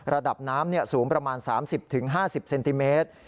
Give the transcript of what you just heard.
ระดับน้ำสูงประมาณ๓๐๕๐เซนติเมตร